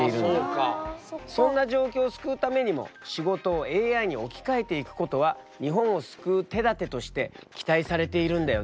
そんな状況を救うためにも仕事をＡＩに置き換えていくことは日本を救う手だてとして期待されているんだよね？